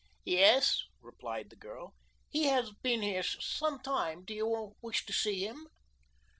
"Yes," replied the girl, "he has been here some time. Do you wish to see him?"